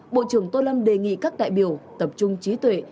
bộ trưởng tô lâm đề nghị các đại biểu tập trung trí tuệ